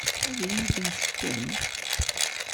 Ad iyi-ten-tefkem?